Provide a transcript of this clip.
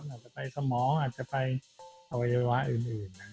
อาจจะไปสมองอาจจะไปอวัยวะอื่น